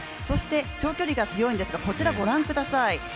そして長距離が強いんですがこちら御覧ください。